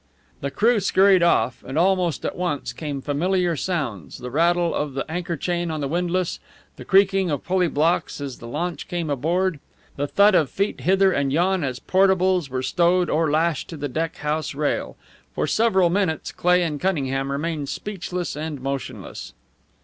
The crew scurried off, and almost at once came familiar sounds the rattle of the anchor chain on the windlass, the creaking of pulley blocks as the launch came aboard, the thud of feet hither and yon as portables were stowed or lashed to the deck house rail. For several minutes Cleigh and Cunningham remained speechless and motionless.